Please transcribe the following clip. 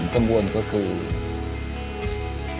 หนูอยากให้พ่อกับแม่หายเหนื่อยครับ